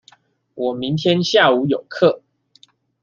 我明天下午有課